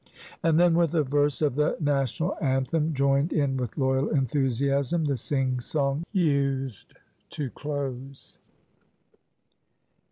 And then with a verse of the National Anthem joined in with loyal enthusiasm, the "sing song" used to close.